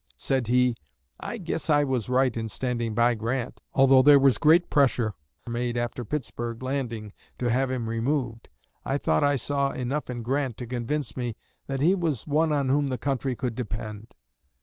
Said he: 'I guess I was right in standing by Grant, although there was great pressure made after Pittsburg Landing to have him removed. I thought I saw enough in Grant to convince me that he was one on whom the country could depend.